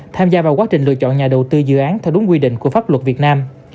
tham gia vào quá trình lựa chọn nhà đầu tư dự án theo đúng quy định của pháp luật việt nam